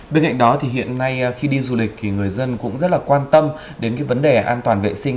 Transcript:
bên cạnh đó hiện nay khi đi du lịch người dân cũng rất quan tâm đến vấn đề an toàn vệ sinh